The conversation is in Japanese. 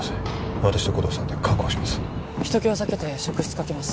私と護道さんで確保します人けを避けて職質かけます